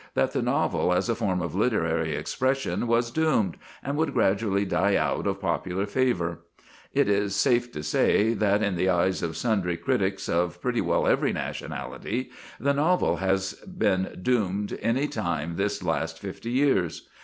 that the novel as a form of literary expression was doomed, and would gradually die out of popular favour. It is safe to say that, in the eyes of sundry critics of pretty well every nationality, the novel has been doomed any time this last fifty years.